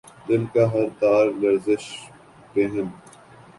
دل کا ہر تار لرزش پیہم